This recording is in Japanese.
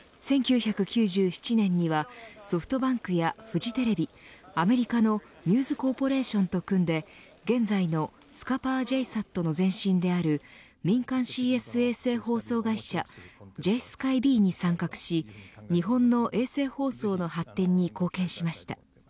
１９９７年にはソフトバンクやフジテレビアメリカのニューズコーポレーションと組んで現在のスカパーＪＳＡＴの前身である民間ＣＳ衛星放送会社ＪスカイＢに参画し日本の衛星放送の発展に貢献しました。